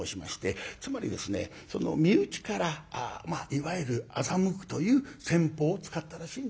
つまりですね身内からいわゆる欺くという戦法を使ったらしいんですよ。